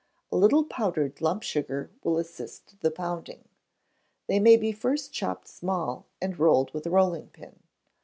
A little powdered lump sugar will assist the pounding. They may be first chopped small, and rolled with a rolling pin.